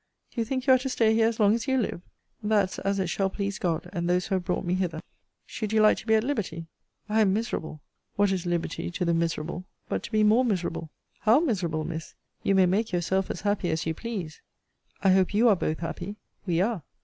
Do you think you are to stay here as long as you live? That's as it shall please God, and those who have brought me hither. Should you like to be at liberty? I am miserable! What is liberty to the miserable, but to be more miserable. How miserable, Miss? You may make yourself as happy as you please. I hope you are both happy. We are.